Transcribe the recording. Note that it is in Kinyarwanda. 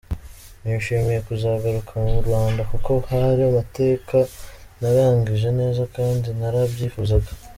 Nishimiye kuzagaruka mu Rwanda kuko hari amateka ntarangije neza kandi narabyifuzaga.